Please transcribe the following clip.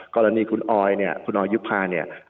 กรณีคุณออยุภา